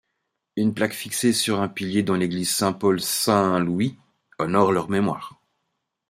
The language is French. Une plaque fixée sur un pilier dans l'église Saint-Paul-Saint-Louis honore leur mémoire.